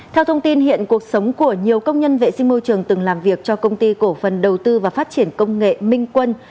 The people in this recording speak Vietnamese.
theo thông tin hiện cuộc sống của nhiều công nhân vệ sinh môi trường từng làm việc cho công ty cổ phần đầu tư và phát triển công nghệ minh quân